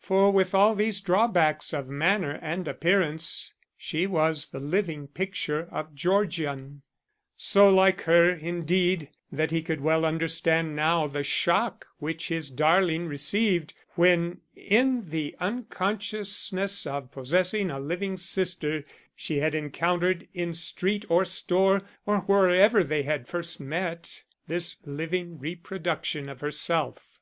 For with all these drawbacks of manner and appearance she was the living picture of Georgian; so like her, indeed, that he could well understand now the shock which his darling received when, in the unconsciousness of possessing a living sister, she had encountered in street or store, or wherever they had first met, this living reproduction of herself.